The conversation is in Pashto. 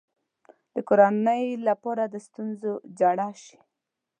د کورنۍ لپاره د ستونزو جرړه شي.